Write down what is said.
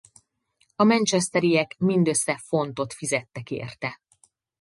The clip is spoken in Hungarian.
A manchesteriek mindössze fontot fizettek érte.